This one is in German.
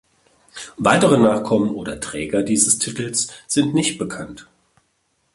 Weitere Nachkommen oder Träger dieses Titels sind nicht bekannt.